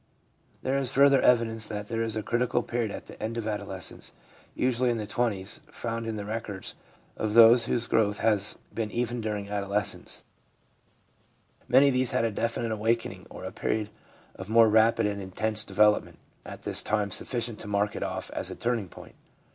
There is further evidence that there is a critical period at the end of adolescence, usually in the twenties, found in the records of those whose Growth has been even during adolescence. Many of these had a definite awakening or a period of more rapid and intense de ADULT LIFE— PERIOD OF RECONSTRUCTION 281 velopment at this time sufficient to mark it off as a turning point.